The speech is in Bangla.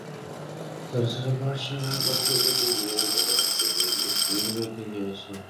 তাছাড়া পাঠশালার পথটিও নিবিড় বনের মধ্য দিয়ে একেবেঁকে গিয়েছে।